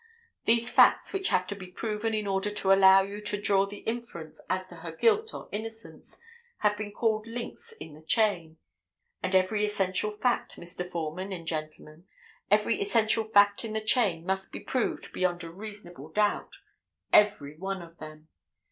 These facts which have to be proven in order to allow you to draw the inference as to her guilt or innocence have been called links in the chain, and every essential fact, Mr. Foreman and gentlemen, every essential fact in that chain must be proved beyond a reasonable doubt—every one of them.